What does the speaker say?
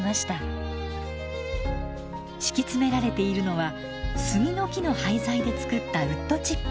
敷き詰められているのは杉の木の廃材で作ったウッドチップ。